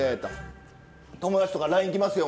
友達とかＬＩＮＥきますよ。